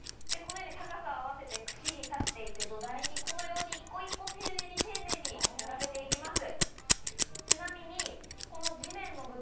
高さを合わせて、串に刺していって、土台にこのように一個一個、丁寧に並べていきます。